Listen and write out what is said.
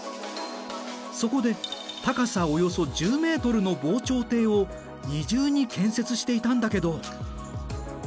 そこで高さおよそ１０ｍの防潮堤を二重に建設していたんだけど。